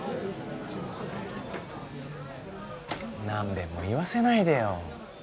何遍も言わせないでよ。